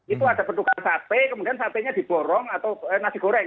itu ada pertukar sate kemudian satenya diborong atau nasi goreng